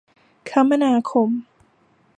คมนาคม